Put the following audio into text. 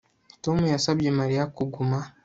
Tom yasabye Mariya kuguma